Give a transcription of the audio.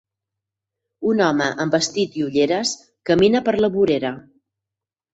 Un home amb vestit i ulleres camina per la vorera.